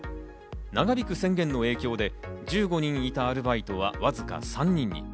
長引く宣言の影響で１５人いたアルバイトはわずか３人に。